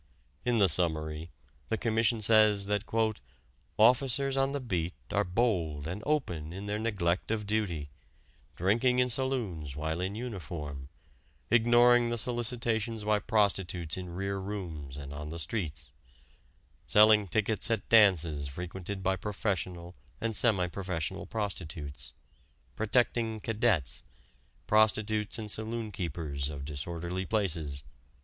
In the summary, the Commission says that "officers on the beat are bold and open in their neglect of duty, drinking in saloons while in uniform, ignoring the solicitations by prostitutes in rear rooms and on the streets, selling tickets at dances frequented by professional and semi professional prostitutes; protecting 'cadets,' prostitutes and saloon keepers of disorderly places."